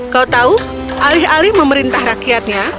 kau tahu alih alih memerintah rakyatnya